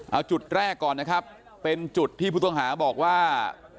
เอาจุดแรกก่อนนะครับเป็นจุดที่ผู้ต้องหาบอกว่า